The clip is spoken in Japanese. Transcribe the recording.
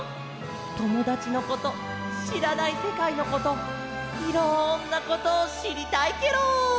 ともだちのことしらないせかいのこといろんなことをしりたいケロ！